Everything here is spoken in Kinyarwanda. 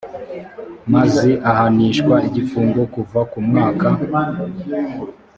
mazi ahanishwa igifungo kuva ku mwaka